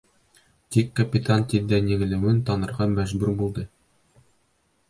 Тик капитан тиҙҙән еңелеүен танырға мәжбүр булды.